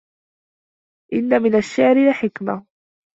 إنَّ مِنْ الشِّعْرِ لَحِكْمَةً